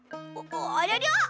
ありゃりゃ？